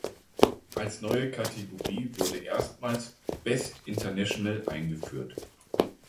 Als neue Kategorie wurde erstmals "Best International" eingeführt.